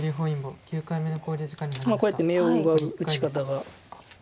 こうやって眼を奪う打ち方がありますので。